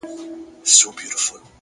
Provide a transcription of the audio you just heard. هره لاسته راوړنه له باور پیلېږي،